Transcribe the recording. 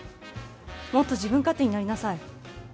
もっと自分勝手になりなさい。